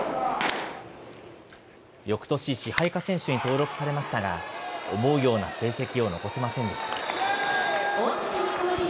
よくとし、支配下選手に登録されましたが、思うような成績を残せませんでした。